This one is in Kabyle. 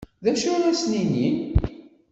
D acu ara as-nini?